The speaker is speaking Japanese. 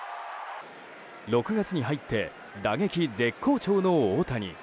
６月に入って打撃絶好調の大谷。